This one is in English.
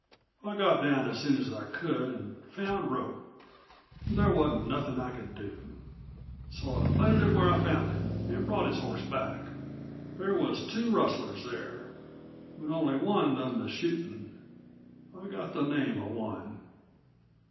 I got down as soon as I could an' found Rope. There wasn't nothin' I could do. So I planted him where I found him an' brought his horse back. There was two rustlers there. But only one done the shootin'. I got the name of one."